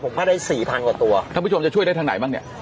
ผมว่าได้สี่พันกว่าตัวท่านผู้ชมจะช่วยได้ทางไหนบ้างเนี่ย